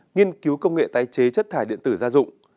nghiên cứu công nghệ tái chế chất thải điện tử gia dụng